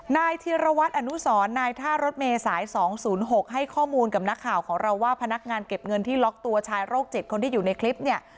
นายธีรวัตรอนุสรนายท่ารถเมษาย๒๐๖ให้ข้อมูลกับนักข่าวของเราว่าพนักงานเก็บเงินที่ล็อกตัวชายโรค๗คนที่อยู่ในคลิปเนี่ย